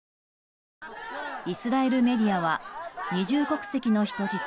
イスラエルメディアは二重国籍の人質